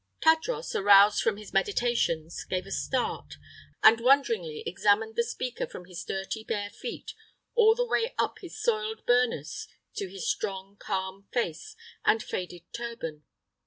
Tadros, aroused from his meditations, gave a start, and wonderingly examined the speaker from his dirty bare feet all the way up his soiled burnous to his strong, calm face and faded turban.